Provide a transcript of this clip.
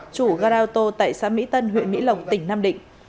chủ garao tô tại xã mỹ tân huyện mỹ lộc tỉnh nam định